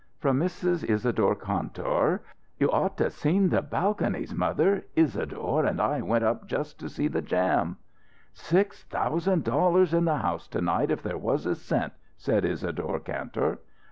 From Mrs. Isadore Kantor: "You ought to seen the balconies, mother. Isadore and I went up just to see the jam." "Six thousand dollars in the house to night if there was a cent," said Isadore Kantor.